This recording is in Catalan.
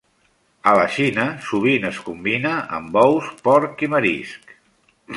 A la Xina sovint es combina amb ous, porc i marisc.